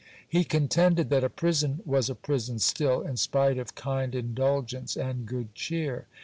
He contended that a prison was a prison still, in spite .of kind indulgence and good cheer.